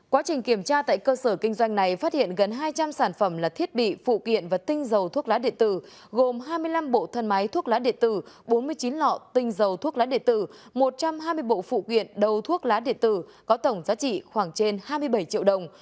quá trình kiểm tra tại cơ sở kinh doanh này phát hiện gần hai trăm linh sản phẩm là thiết bị phụ kiện và tinh dầu thuốc lá điện tử gồm hai mươi năm bộ thân máy thuốc lá điện tử bốn mươi chín lọ tinh dầu thuốc lá địa tử một trăm hai mươi bộ phụ kiện đầu thuốc lá điện tử có tổng giá trị khoảng trên hai mươi bảy triệu đồng